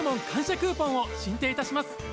クーポンを進呈いたします。